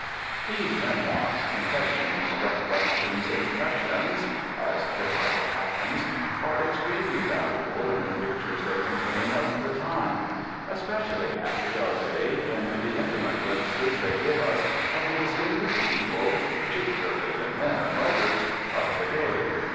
"These Memoirs, Confessions, Recollections, Impressions (as the title happens) are extremely valuable in the pictures they contain of the time. Especially happy are they in the intimate glimpses they give us of the distinguished people, particularly the men of letters, of the day.